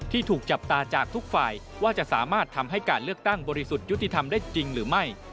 ถูกจับตาจากทุกฝ่ายว่าจะสามารถทำให้การเลือกตั้งบริสุทธิ์ยุติธรรมได้จริงหรือไม่